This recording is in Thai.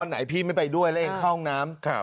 ไหนพี่ไม่ไปด้วยแล้วเองเข้าห้องน้ำ